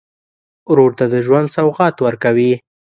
ورور ته د ژوند سوغات ورکوې.